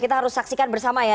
kita harus saksikan bersama ya